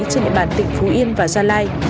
trên địa bàn tỉnh phú yên và gia lai